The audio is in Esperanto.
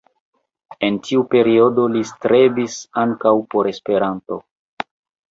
En tiu periodo li strebis ankaŭ por Esperanto.